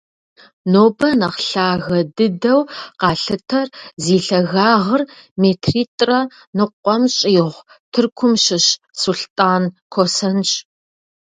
Нобэ нэхъ лъагэ дыдэу къалъытэр, зи лъагагъыр метритӏрэ ныкъуэм щӏигъу, Тыркум щыщ Сулътӏан Косэнщ.